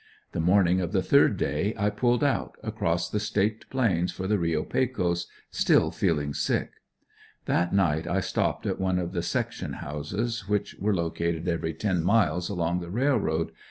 The morning of the third day I pulled out, across the Staked Plains for the Reo Pecos, still feeling sick. That night I stopped at one of the section houses, which were located every ten miles along the railroad.